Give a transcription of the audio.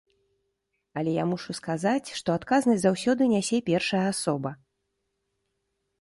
Але я мушу сказаць, што адказнасць заўсёды нясе першая асоба.